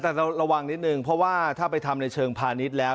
แต่ระวังนิดนึงเพราะว่าถ้าไปทำในเชิงพาณิชย์แล้ว